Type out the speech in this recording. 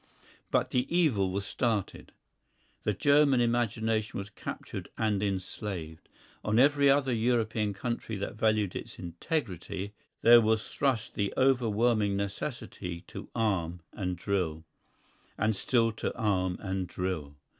But the evil was started; the German imagination was captured and enslaved. On every other European country that valued its integrity there was thrust the overwhelming necessity to arm and drill—and still to arm and drill.